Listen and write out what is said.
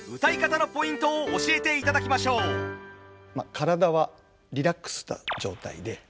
体はリラックスした状態で。